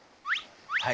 はい。